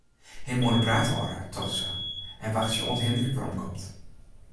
Him oan 'e praat hâlde, tocht se, en wachtsje oant Hindrik weromkomt.